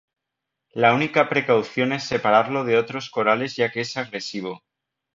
La única precaución es separarlo de otros corales ya que es agresivo.